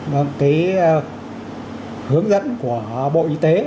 vâng cái hướng dẫn của bộ y tế